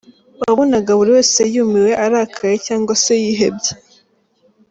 Wabonaga buri wese yumiwe, arakaye, cyangwa se yihebye!